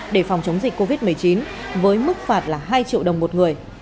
để phòng chống dịch covid một mươi chín với mức phạt là hai triệu đồng một người